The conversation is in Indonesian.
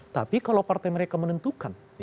tapi kalau partai mereka menentukan